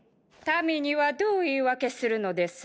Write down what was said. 民にはどう言い訳するのです。